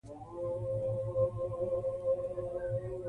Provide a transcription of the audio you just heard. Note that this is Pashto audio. او د شاعر د شعر پیغام څه شی دی؟.